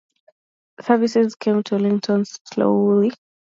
Services came to Withington slowly.